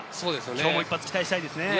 今日も一発期待したいですね。